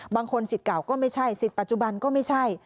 สิทธิ์เก่าก็ไม่ใช่สิทธิ์ปัจจุบันก็ไม่ใช่